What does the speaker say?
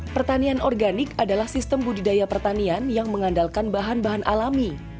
pertanian organik adalah sistem budidaya pertanian yang mengandalkan bahan bahan alami